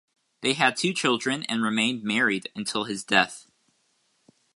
They had two children and remained married until his death.